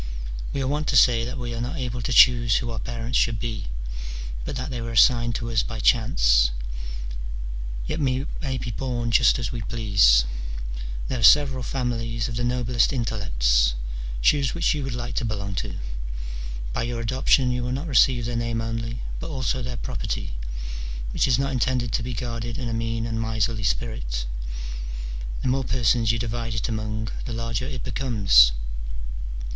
We are wont to say that we are not able to choose who our parents should be, but that they were assigned to us by chance ; yet we may be bom just as we please : there are several families of the noblest intellects : choose which you would like to belong to : by your adoption you will not receive their name only, but also their property, which is not intended to be guarded in a mean and miserly spirit : the more persons you divide it among the larger it becomes.